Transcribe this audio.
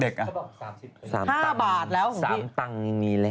เด็กอ่ะ๕บาทแล้วของพี่๓ตังค์นี้แหละ